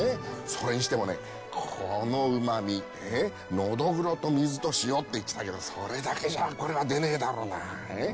それにしてもねこのうまみノドグロと水と塩って言ってたけどそれだけじゃこれは出ねえだろうな。